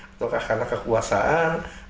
atau karena kekuasaan